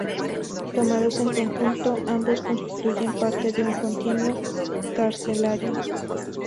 Tomados en conjunto, ambos constituyen parte de un 'continuo carcelario'.